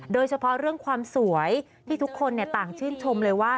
โดยเฉพาะเรื่องความสวยที่ทุกคนต่างชื่นชมเลยว่า